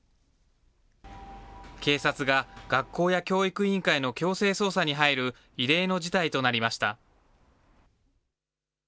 警察が学校や教育委員会の強制捜査に入る異例の事態となりました。